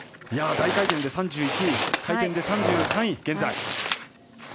大回転で３１位、回転で３３位現在。